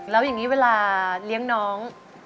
แล้วอย่างนี้เวลาเลี้ยงน้อง